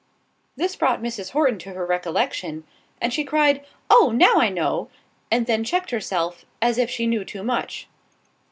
This brought Mrs. Horton to her recollection, and she cried, "Oh! now I know;"——and then checked herself, as if she knew too much.